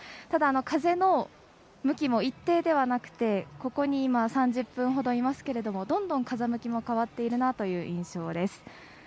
ただ、風の向きも一定ではなくてここに３０分ほどいますけどどんどん風向きも変わっているなという印象です。